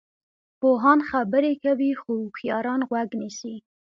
پوهان خبرې کوي خو هوښیاران غوږ نیسي.